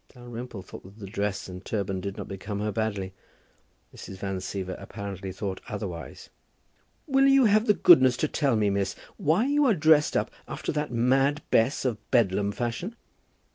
Dalrymple thought that the dress and turban did not become her badly. Mrs. Van Siever apparently thought otherwise. "Will you have the goodness to tell me, miss, why you are dressed up after that Mad Bess of Bedlam fashion?"